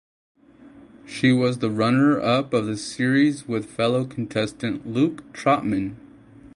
She was the runner up of the series with fellow contestant Luke Trotman.